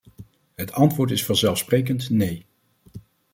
Het antwoord is vanzelfsprekend nee.